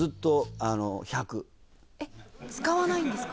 えっ使わないんですか？